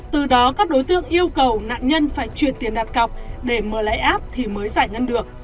từ đó các đối tượng yêu cầu nạn nhân phải truyền tiền đặt cọc để mở lãi app thì mới giải ngân được